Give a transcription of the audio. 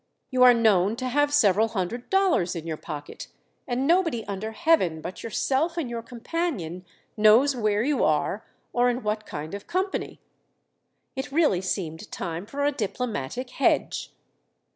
You are known to have several hundred dollars in your pocket, and nobody under Heaven but yourself and your companion knows where you are, or in what kind of company." It really seemed time for a diplomatic "hedge."